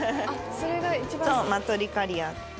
そうマトリカリア。